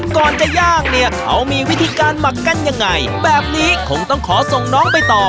ก่อนจะย่างเนี่ยเขามีวิธีการหมักกันยังไงแบบนี้คงต้องขอส่งน้องไปต่อ